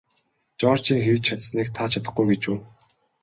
Жоржийн хийж чадсаныг та чадахгүй гэж үү?